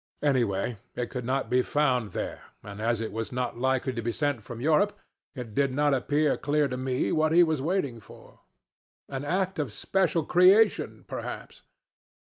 Anyways, it could not be found there, and as it was not likely to be sent from Europe, it did not appear clear to me what he was waiting for. An act of special creation perhaps.